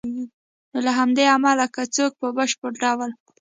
نو له همدې امله که څوک په بشپړ ډول